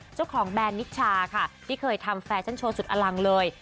แบนนิชชาค่ะที่เคยทำแฟชั่นโชว์สุดอลังเลย